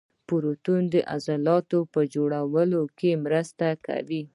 پروټین د عضلاتو په جوړولو کې مرسته کوي